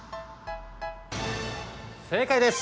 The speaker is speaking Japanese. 正解です。